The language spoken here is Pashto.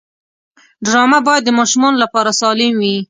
ډرامه باید د ماشومانو لپاره سالم وي